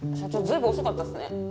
随分遅かったっすね。